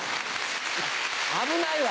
危ないわ！